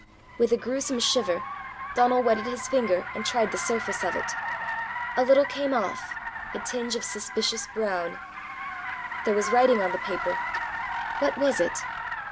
With a gruesome shiver Donal wetted his finger and tried the surface of it: a little came off, a tinge of suspicious brown. There was writing on the paper! What was it?